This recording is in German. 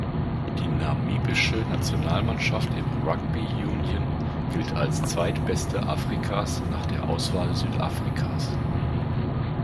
Die namibische Nationalmannschaft im Rugby-Union gilt als zweitbeste Afrikas nach der Auswahl Südafrikas.